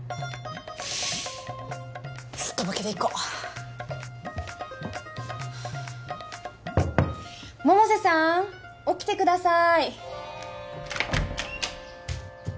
すっとぼけでいこっ百瀬さん起きてください